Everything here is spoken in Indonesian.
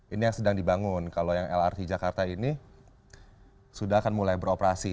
ini yang sedang dibangun kalau yang lrt jakarta ini sudah akan mulai beroperasi